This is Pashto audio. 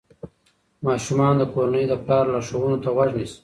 ماشومان د کورنۍ د پلار لارښوونو ته غوږ نیسي.